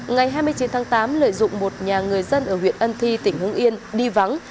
ngày hai mươi chín tháng tám lợi dụng một nhà người dân ở huyện ân thi tỉnh hưng yên đi vắng